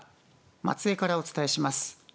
松江からお伝えします。